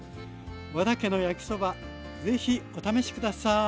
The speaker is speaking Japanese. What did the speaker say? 和田家の焼きそばぜひお試し下さい！